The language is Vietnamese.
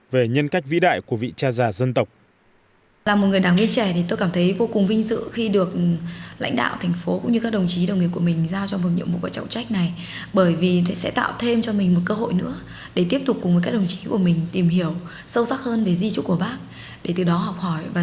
về nhân cách vĩ đại của vị cha già dân tộc